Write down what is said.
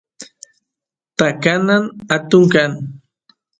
takana atun kan